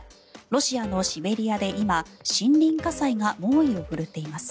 ロシアのシベリアで今森林火災が猛威を振るっています。